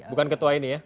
bukan ketua ini ya